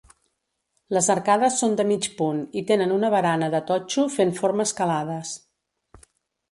Les arcades són de mig punt i tenen una barana de totxo fent formes calades.